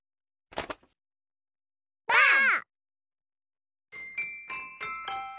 ばあっ！